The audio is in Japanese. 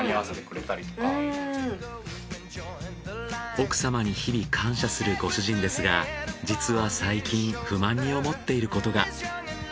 奥様に日々感謝するご主人ですが実は最近不満に思っていることが。